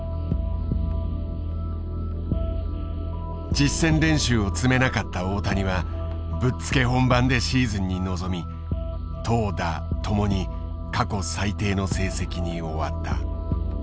実戦練習を積めなかった大谷はぶっつけ本番でシーズンに臨み投打ともに過去最低の成績に終わった。